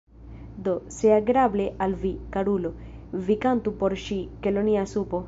Do, se agrable al vi, karulo, vi kantu por ŝi 'Kelonia Supo’.